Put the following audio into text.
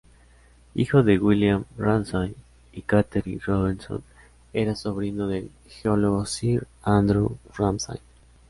Hijo de William Ramsay y Catherine Robertson, era sobrino del geólogo sir Andrew Ramsay.